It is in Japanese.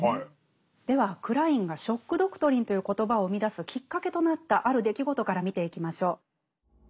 ではクラインが「ショック・ドクトリン」という言葉を生み出すきっかけとなったある出来事から見ていきましょう。